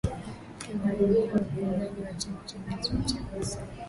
kiongozi mkuu wa upinzani wa chama cha Nelson Chamisa